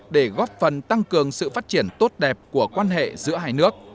để góp phần tăng cường sự phát triển tốt đẹp của quan hệ giữa hai nước